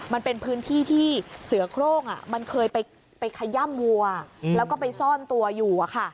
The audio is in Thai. มันเป็นพื้นที่ที่เสือโครงมันเคยไปขย่ำวัวแล้วก็ไปซ่อนตัวอยู่